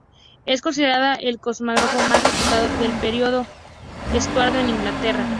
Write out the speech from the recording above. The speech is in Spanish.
Es considerado el cosmógrafo más reputado del periodo estuardo en Inglaterra.